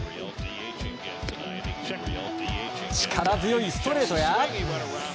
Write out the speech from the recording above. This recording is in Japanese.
力強いストレートや。